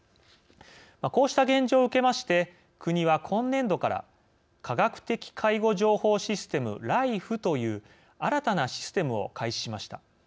こうした現状を受けまして国は今年度から科学的介護情報システム＝ＬＩＦＥという新たなシステムを開始しました。